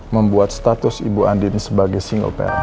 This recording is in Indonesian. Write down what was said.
membuat status ibu andin sebagai single pare